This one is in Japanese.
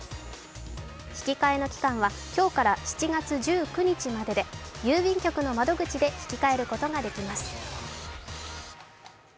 引き換えの期間は今日から７月１９日までで郵便局の窓口で引き換えることができます。